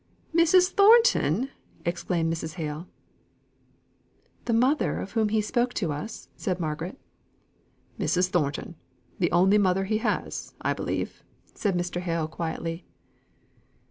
"Mrs. Thornton!" exclaimed Mrs. Hale. "The mother of whom he spoke to us?" said Margaret. "Mrs. Thornton; the only mother he has, I believe," said Mr. Hale, quietly.